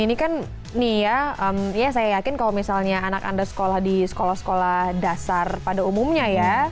ini kan nih ya saya yakin kalau misalnya anak anda sekolah di sekolah sekolah dasar pada umumnya ya